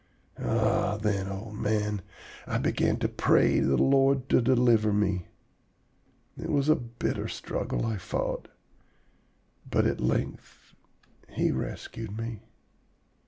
Ah, then, old man, I began to pray the Lord to deliver me! It was a bitter struggle I fought, but at length He rescued me.